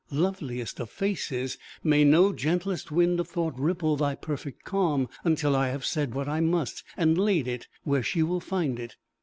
Loveliest of faces, may no gentlest wind of thought ripple thy perfect calm, until I have said what I must, and laid it where she will find it!